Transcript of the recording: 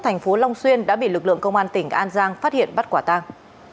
thành phố long xuyên đã bị lực lượng công an tỉnh an giang phát hiện bắt quả tang